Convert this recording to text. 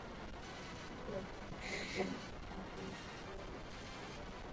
kuanzia mauaji hadi uhusiano na makundi ya wanamgambo kundi ambalo